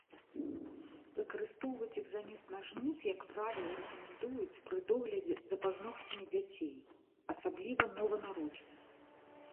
Выкарыстоўваць іх замест нажніц, як правіла, рэкамендуюць пры доглядзе за пазногцямі дзяцей, асабліва нованароджаных.